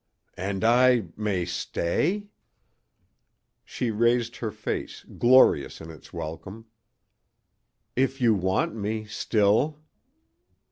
"And I may stay?" She raised her face, glorious in its welcome. "If you want me still."